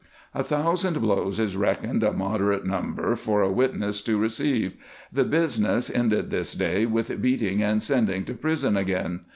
A thousand blows is reckoned a moderate number for a witness to receive. The business ended this day with beating and sending to prison again.